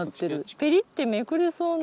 ペリってめくれそうな。